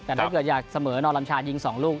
แต่ถ้าอยากเสมอนอรัมชาติยิง๒ลูก